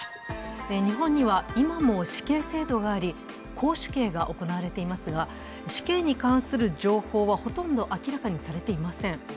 日本には今も死刑制度があり絞首刑が行われていますが、死刑に関する情報はほとんど明らかにされていません。